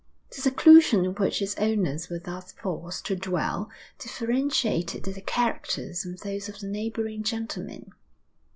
The seclusion in which its owners were thus forced to dwell differentiated their characters from those of the neighbouring gentlemen.